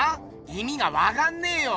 いみがわかんねえよ。